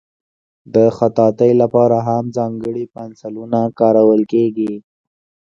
د خطاطۍ لپاره هم ځانګړي پنسلونه کارول کېږي.